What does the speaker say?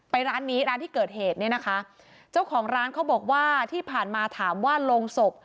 ร้านนี้ร้านที่เกิดเหตุเนี่ยนะคะเจ้าของร้านเขาบอกว่าที่ผ่านมาถามว่าโรงศพ